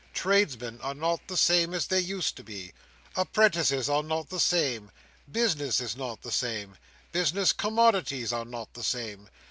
Tradesmen are not the same as they used to be, apprentices are not the same, business is not the same, business commodities are not the same.